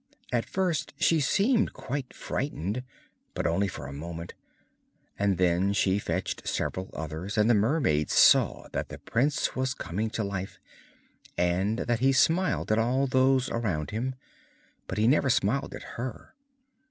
At first she seemed quite frightened, but only for a moment, and then she fetched several others, and the mermaid saw that the prince was coming to life, and that he smiled at all those around him, but he never smiled at her.